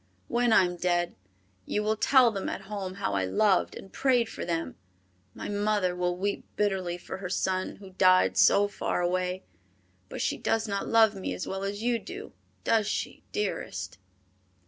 When I am dead, you will tell them at home how I loved and prayed for them. My mother will weep bitterly for her son, who died so far away, but she does not love me as well as you do, does she, dearest?"